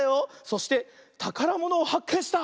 そしてたからものをはっけんした！